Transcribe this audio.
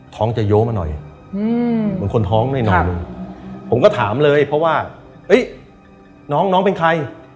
ท้องจะโยมาหน่อยเหมือนคนท้องหน่อยผมก็ถามเลยเพราะว่าน้องน้องเป็นใคร